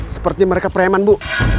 sepertinya mereka preman bu